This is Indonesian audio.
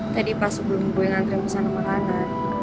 tadi pas sebelum gue ngantri misalnya sama rana